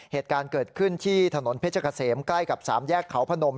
เหตุการณ์เกิดขึ้นที่ถนนเพชรเกษมใกล้กับสามแยกเขาพนม